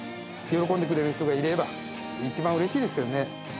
喜んでくれる人がいれば、一番うれしいですけどね。